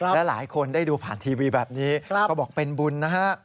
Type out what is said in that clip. และหลายคนได้ดูผ่านทีวีแบบนี้ก็บอกเป็นบุญนะฮะ